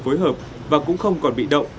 phối hợp và cũng không còn bị động